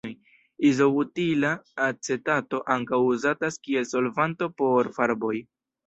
Izobutila acetato ankaŭ uzatas kiel solvanto por farboj.